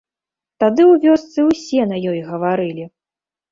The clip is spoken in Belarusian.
Тады ў вёсцы ўсе на ёй гаварылі.